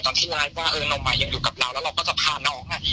ตอนที่ไลฟ์ว่าเออนมยังอยู่กับเราแล้วเราก็จะพาน้องอ่ะ